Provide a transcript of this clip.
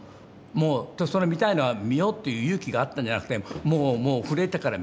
もうそれは見たいのは見ようっていう勇気があったんじゃなくてもうもう震えてるから。